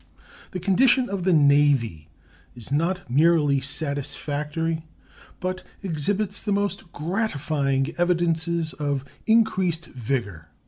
The condition of the Navy is not merely satisfactory, but exhibits the most gratifying evidences of increased vigor.